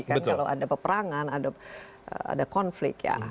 kalau ada peperangan ada konflik